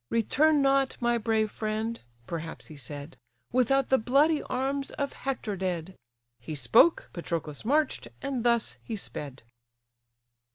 'Return not, my brave friend (perhaps he said), Without the bloody arms of Hector dead.' He spoke, Patroclus march'd, and thus he sped."